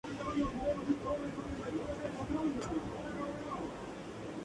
Murió joven y su reinado sólo duró cuatro años.